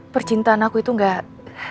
percintaan aku itu gak